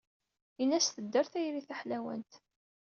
Ini-as tedder tayri taḥlawant.